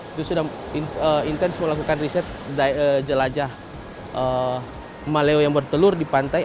itu sudah intens melakukan riset jelajah maleo yang bertelur di pantai